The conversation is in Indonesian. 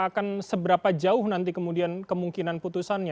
akan seberapa jauh nanti kemudian kemungkinan putusannya